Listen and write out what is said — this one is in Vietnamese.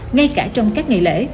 ngay cả trong các ngày lễ